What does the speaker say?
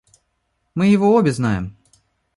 Мы его обе знаем.